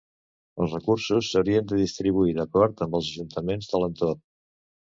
Els recursos s’haurien de distribuir d’acord amb els ajuntaments de l’entorn.